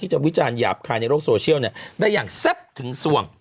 จะวิจารณหยาบคายในโลกโซเชียลได้อย่างแซ่บถึงส่วง